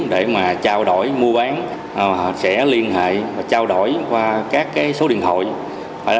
để mà trao đổi mua bán họ sẽ liên hệ và trao đổi qua các số điện thoại